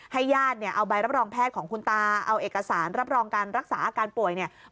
ญาติเนี่ยเอาใบรับรองแพทย์ของคุณตาเอาเอกสารรับรองการรักษาอาการป่วยเนี่ย